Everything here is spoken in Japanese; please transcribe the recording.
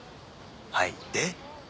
はいで？